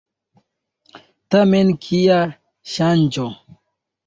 Tamen kia ŝanĝo!